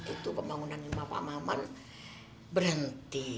itu pembangunan ibu bapak maman berhenti